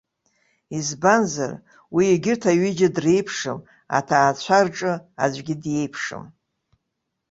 Избанзар, уи егьырҭ аҩыџьа дреиԥшым, аҭаацәа рҿы аӡәгьы диеиԥшым.